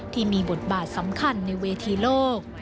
ที่มีบทบาทสำคัญในเวทีโลก